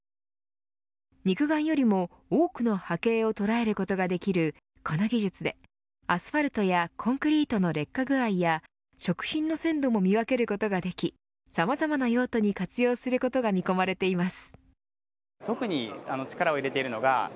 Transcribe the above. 肉眼よりも多くの波形を捉えることができるこの技術で、アスファルトやコンクリートの劣化具合や食品の鮮度も見分けることができさまざまな用途に活用することが見込まれています。